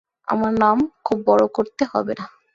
আমার নাম খুব বড় করতে হবে না।